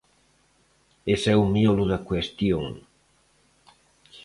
Ese é o miolo da cuestión.